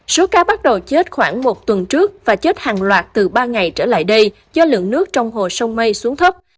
số cá bắt đầu chết khoảng một tuần trước và chết hàng loạt từ ba ngày trở lại đây do lượng nước trong hồ sông mây xuống thấp